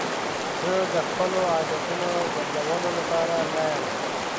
زه د خپلو عادتونو بدلولو لپاره نه یم.